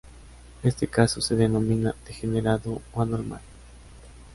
Este caso se denomina "degenerado" o "anormal".